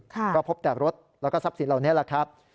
ก็พบแต่รถแล้วก็ทรัพย์สินเหล่านี้แหละครับ